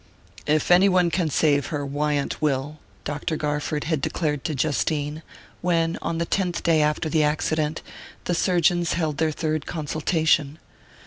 "If any one can save her, Wyant will," Dr. Garford had declared to Justine, when, on the tenth day after the accident, the surgeons held their third consultation.